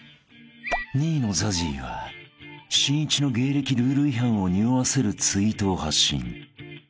［２位のＺＡＺＹがしんいちの芸歴ルール違反をにおわせるツイートを発信］